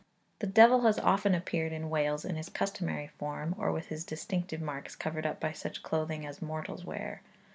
I. The devil has often appeared in Wales in his customary form, or with his distinctive marks covered up by such clothing as mortals wear.